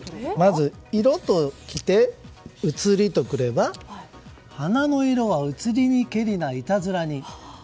まず、色ときて移りとくれば「花の色は移りにけりないたずらに」。